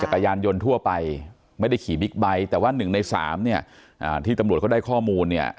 จักรยานยนต์ทั่วไปไม่ได้ขี่บิ๊กไบท์แต่ว่า๑ใน๓เนี่ยที่ตำรวจเขาได้ข้อมูลเนี่ย